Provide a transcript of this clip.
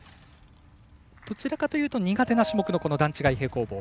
どちらかというと苦手な種目の段違い平行棒。